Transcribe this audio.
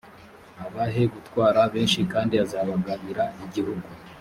abahe gutwara benshi kandi azabagabira igihugu